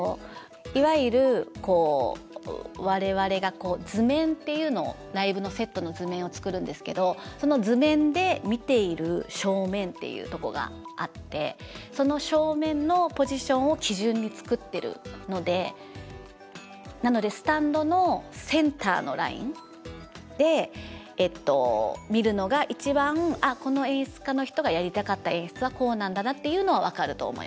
いわゆる我々が図面っていうのをライブのセットの図面を作るんですけどその図面で見ている正面っていうとこがあってその正面のポジションを基準に作ってるのでなのでで見るのが一番この演出家の人がやりたかった演出はこうなんだなっていうのは分かると思います。